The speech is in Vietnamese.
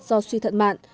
do suy thận mạn